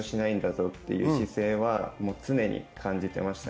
ぞっという姿勢は常に感じていました。